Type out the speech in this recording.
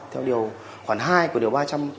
theo điều khoản hai của điều ba trăm hai mươi hai